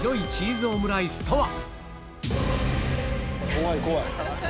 怖い怖い！